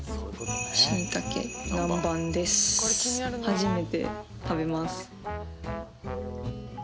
初めて食べます。